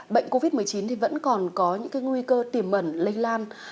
bệnh covid một mươi chín thì vẫn còn có những cái nguy cơ tiềm mẩn lây lan